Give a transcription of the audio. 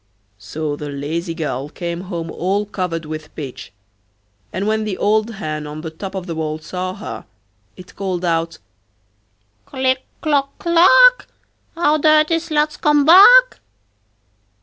So the lazy girl came home all covered with pitch, and when the old hen on the top of the wall saw her, it called out: 'Click, clock, clack, Our dirty slut's come back.